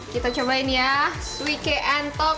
kita cobain ya suike entok